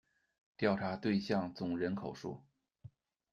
调查对象总人口数